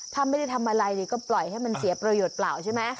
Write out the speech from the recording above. ถ้าไม่ได้ทำอะไรนี่ก็ปล่อยให้มันเสียประโยชน์เปล่าใช่ไหม